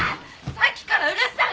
さっきからうるさい！